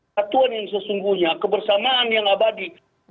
satuan yang sesungguhnya kebersamaan yang abadi